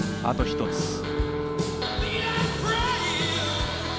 あと一つ。